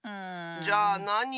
じゃあなに？